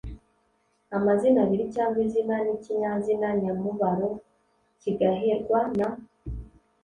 amazina abiri cyangwa izina n ikinyazina nyamubaro kigaherwa na